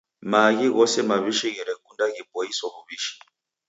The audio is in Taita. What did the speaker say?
Maaghi ghose maw'ishi gherekunda ghiboiso w'uw'ishi.